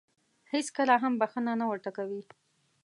هېڅکله هم بښنه نه ورته کوي .